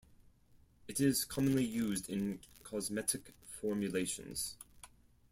It is commonly used in cosmetic formulations.